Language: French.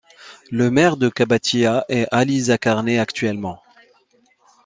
Le maire de Qabatiya est Ali Zakarneh actuellement.